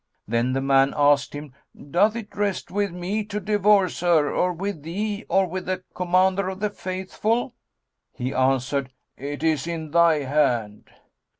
Then the man asked him, "Doth it rest with me to divorce her, or with thee or with the Commander of the Faithful?" He answered, "It is in thy hand."